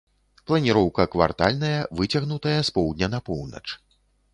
Планіроўка квартальная, выцягнутая з поўдня на поўнач.